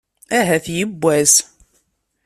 Ahat yewwas.